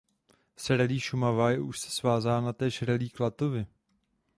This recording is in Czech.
S Rallye Šumava je úzce svázána též Rally Klatovy.